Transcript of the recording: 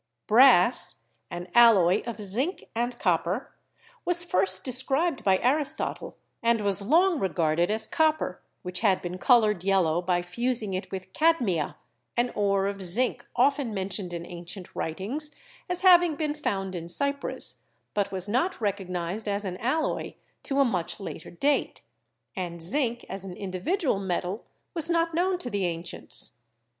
Brass, an alloy of zinc and copper, was first described by Aristotle and was long regarded as copper which had been colored yellow by fusing it with 'cadmia/ an ore of zinc often mentioned in ancient writings as having been found in Cyprus, but was not recognized as an alloy to a much later date, and zinc as an individual metal was not known to the ancients.